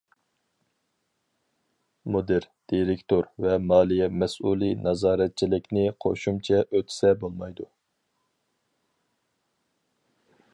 مۇدىر، دىرېكتور ۋە مالىيە مەسئۇلى نازارەتچىلىكنى قوشۇمچە ئۆتىسە بولمايدۇ.